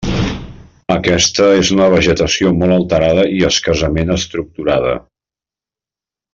Aquesta és una vegetació molt alterada i escassament estructurada.